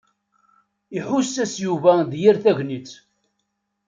Iḥuss-as Yuba d yir tagnit.